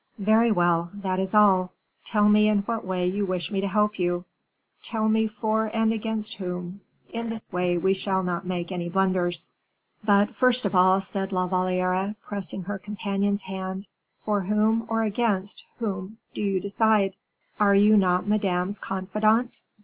"Very well; that is all. Tell me in what way you wish me to help you; tell me for and against whom, in this way we shall not make any blunders." "But first of all," said La Valliere, pressing her companion's hand, "for whom or against whom do you decide?" "For you, if you are really and truly my friend." "Are you not Madame's confidant?"